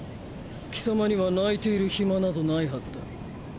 貴様には泣いている暇などないはずだ。